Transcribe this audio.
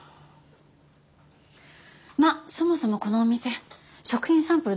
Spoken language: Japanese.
まあそもそもこのお店食品サンプル